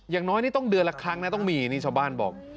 อย่างน้อยนี่ต้องเดือนละครั้งนะต้องมีนี่ชาวบ้านบอก